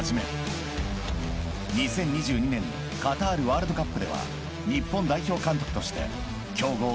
［２０２２年カタールワールドカップでは日本代表監督として強豪スペインドイツを破り